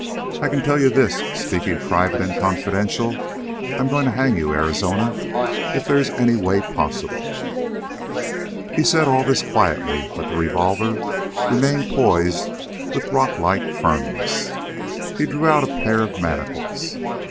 I can tell you this, speaking private and confidential, I'm going to hang you, Arizona, if there's any way possible!" He said all this quietly, but the revolver remained poised with rocklike firmness. He drew out a pair of manacles.